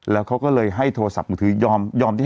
แล้วเขาก็เลยให้โทรศัพท์มือทอย่อมยอมติดต่อ